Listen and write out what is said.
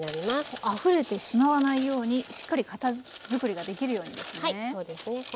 あふれてしまわないようにしっかり型作りができるようにですね。